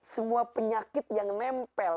semua penyakit yang nempel